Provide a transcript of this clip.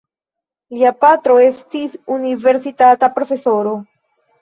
Lia patro estis universitata profesoro.